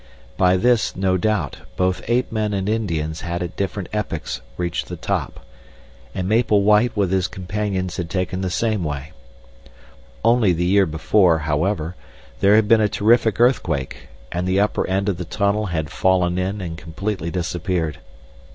By this, no doubt, both ape men and Indians had at different epochs reached the top, and Maple White with his companion had taken the same way. Only the year before, however, there had been a terrific earthquake, and the upper end of the tunnel had fallen in and completely disappeared.